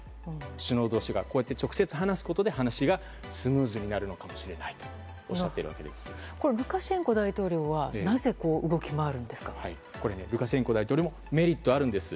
首脳同士がこうやって直接話すことで話し合いがスムーズになるのかもしれないとルカシェンコ大統領はルカシェンコ大統領にもメリットがあるんです。